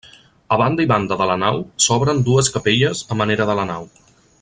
A banda i banda de la nau s'obren dues capelles a manera de la nau.